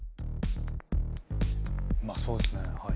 まあそうですねはい。